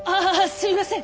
すいません！